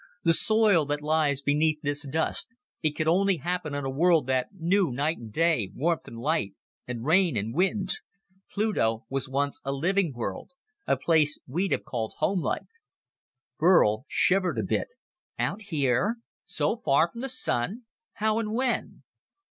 The soil that lies beneath this dust it could only happen on a world that knew night and day, warmth and light, and rain and wind. Pluto was once a living world, a place we'd have called homelike." Burl shivered a bit. "Out here? So far from the Sun? How and when?"